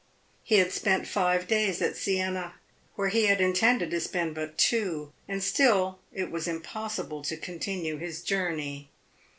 He had spent five days at Siena, where he had intended to spend but two, and still it was impossible to continue his journey.